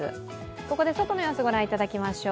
ここで外の様子、御覧いただきましょう。